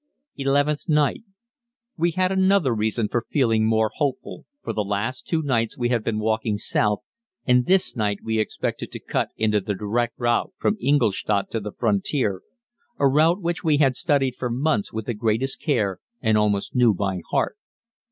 Eleventh Night. We had another reason for feeling more hopeful, for the last two nights we had been walking south, and this night we expected to cut into the direct route from Ingolstadt to the frontier a route which we had studied for months with the greatest care and almost knew by heart.